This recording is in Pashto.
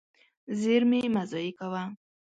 زېرمې مه ضایع کوه.